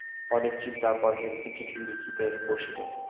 অনেক চিন্তার পর হেমকে চিঠি লিখিতে বসিল।